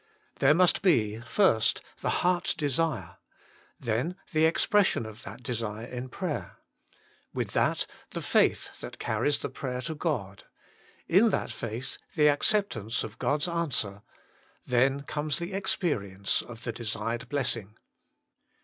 There must be, first, the heart s desire ; then the expression of that desire in prayer ; with that, the faith that carries the prayer to God ; in that faith, the acceptance of God s answer ; then comes the experience of the desired blessing.